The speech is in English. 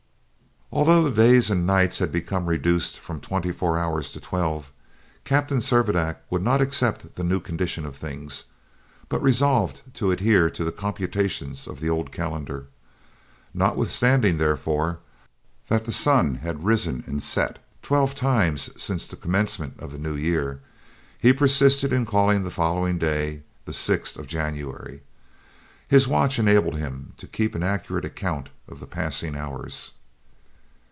Although the days and nights had become reduced from twenty four hours to twelve, Captain Servadac would not accept the new condition of things, but resolved to adhere to the computations of the old calendar. Notwithstanding, therefore, that the sun had risen and set twelve times since the commencement of the new year, he persisted in calling the following day the 6th of January. His watch enabled him to keep an accurate account of the passing hours.